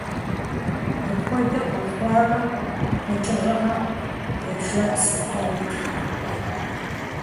Апхуэдэу къэхъуамэ, къэкӀыгъэхэм яжьэпс траутхэрт.